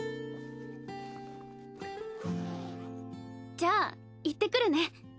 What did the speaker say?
じゃあいってくるね。